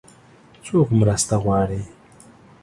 څوک مرسته غواړي؟